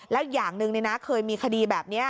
แล้วอย่างหนึ่งเคยมีคดีแบบนี้